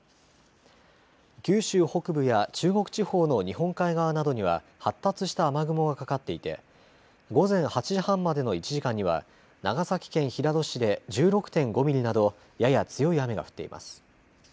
九州北部や中国地方の日本海側などには発達した雨雲がかかっていて午前８時半までの１時間には長崎県平戸市で１６．５ミリなどやや強い雨が降っています。